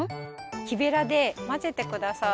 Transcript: きべらでまぜてください。